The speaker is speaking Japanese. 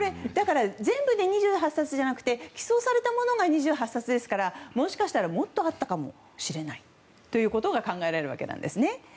全部で２８冊じゃなくて寄贈されたものが２８冊ですからもしかしたら、もっとあったかもしれないということが考えられるわけなんですね。